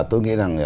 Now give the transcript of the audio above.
tôi nghĩ rằng